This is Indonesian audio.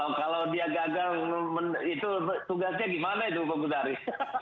ya kalau dia gagal itu tugasnya gimana itu bung kodari